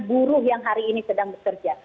buruh yang hari ini sedang bekerja